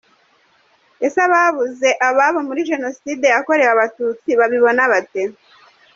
Ese ababuze ababo muri Jenoside yakorewe Abatutsi babibona bate?.